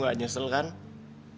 udah nganterin gue ke rumah pa